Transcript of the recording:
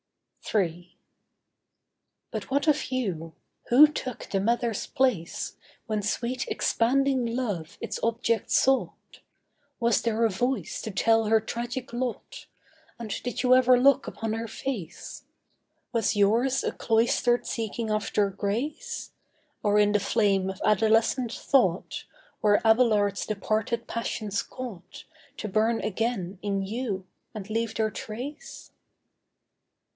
III But what of you? Who took the mother's place When sweet expanding love its object sought? Was there a voice to tell her tragic lot, And did you ever look upon her face? Was yours a cloistered seeking after grace? Or in the flame of adolescent thought Were Abelard's departed passions caught To burn again in you and leave their trace?